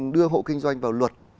đưa hộ kinh doanh vào luật